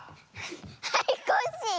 はいコッシー。